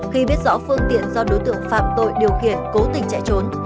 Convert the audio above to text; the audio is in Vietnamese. khi biết rõ phương tiện do đối tượng phạm tội điều khiển cố tình chạy trốn